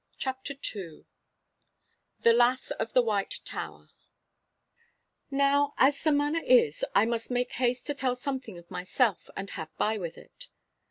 *CHAPTER II* *THE LASS OF THE WHITE TOWER* Now, as the manner is, I must make haste to tell something of myself and have by with it.